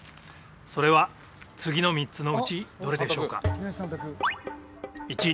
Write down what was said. それは次の３つのうちどれでしょうか？